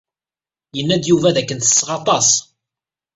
Yenna-d Yuba d akken tesseɣ aṭas.